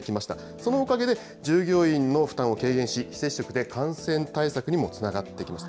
そのおかげで、従業員の負担を軽減し、非接触で感染対策にもつながってきました。